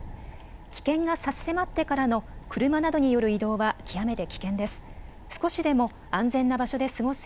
危険が差し迫ってからの車などによる移動は極めて危険です。